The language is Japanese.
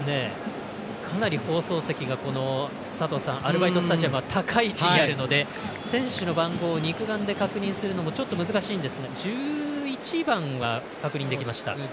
かなり放送席がアルバイトスタジアムは高い位置にあるので選手の番号を肉眼で確認するのもちょっと難しいんですが１１番は確認できました。